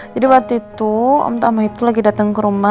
jadi waktu itu om tama itu lagi datang ke rumah